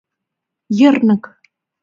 — Йырнык!